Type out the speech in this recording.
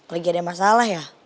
lagi ada masalah ya